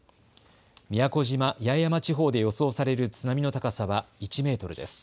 宮古島・八重山地方で予想される津波の高さは１メートルです。